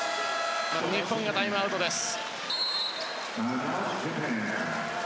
日本、タイムアウトです。